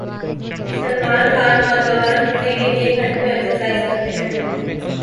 سلمان خان نوجوان دکھنے کیلئے گھنٹوں ایکسرسائز کرتے ہیں